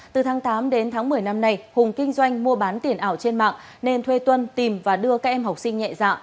từ tháng tám đến tháng một mươi năm nay hùng kinh doanh mua bán tiền ảo trên mạng nên thuê tuân tìm và đưa các em học sinh nhẹ dạng